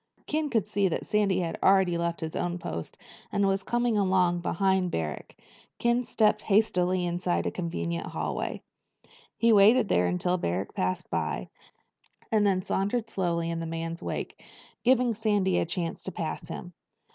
Ken could see that Sandy had already left his own post and was coming along behind Barrack. Ken stepped hastily inside a convenient hallway. He waited there until Barrack passed by, and then sauntered slowly in the man's wake, giving Sandy a chance to pass him.